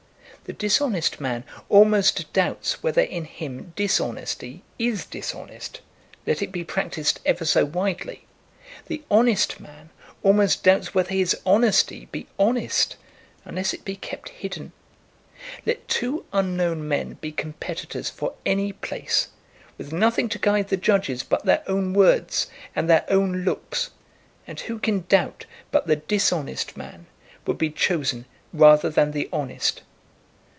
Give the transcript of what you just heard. The dishonest man almost doubts whether in him dishonesty is dishonest, let it be practised ever so widely. The honest man almost doubts whether his honesty be honest, unless it be kept hidden. Let two unknown men be competitors for any place, with nothing to guide the judges but their own words and their own looks, and who can doubt but the dishonest man would be chosen rather than the honest?